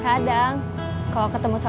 udah lebih nyerempor